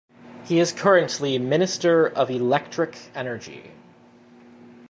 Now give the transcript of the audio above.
He is currently Minister of Electric Energy.